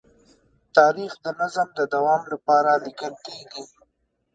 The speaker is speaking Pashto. تاریخ د نظم د دوام لپاره لیکل کېږي.